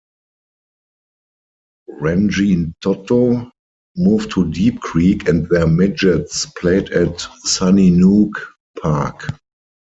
Rangitoto moved to Deep Creek and their midgets played at Sunnynook Park.